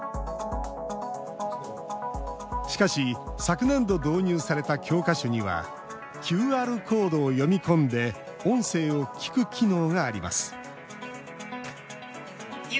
しかし、昨年度導入された教科書にはＱＲコードを読み込んで音声を聞く機能があります